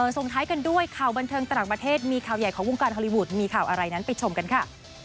ส่งท้ายกันด้วยข่าวบันเทิงต่างประเทศมีข่าวใหญ่ของวงการฮอลลีวูดมีข่าวอะไรนั้นไปชมกันค่ะ